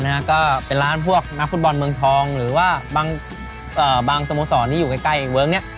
นะฮะก็เป็นร้านพวกนักฟุตบอลเมืองทองหรือว่าบางเอ่อบางสโมสรที่อยู่ใกล้เวิร์คเนี่ย